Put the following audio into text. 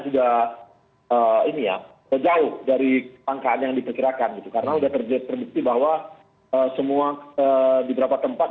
sudah jauh dari kelangkaan yang diperkirakan karena sudah terbukti bahwa semua di beberapa tempat